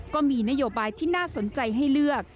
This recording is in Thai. ก็มีนโยบายที่น่าสนใจให้เลือก